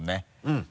うん。